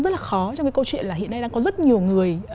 rất là khó trong cái câu chuyện là hiện nay đang có rất nhiều người